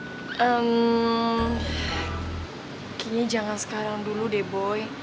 kayaknya jangan sekarang dulu deh boy